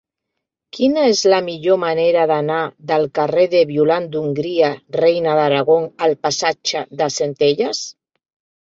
Quina és la millor manera d'anar del carrer de Violant d'Hongria Reina d'Aragó al passatge de Centelles?